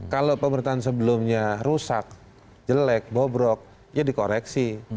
kalau pemerintahan sebelumnya rusak jelek bobrok ya dikoreksi